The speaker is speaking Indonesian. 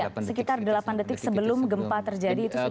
ya sekitar delapan detik sebelum gempa terjadi itu sudah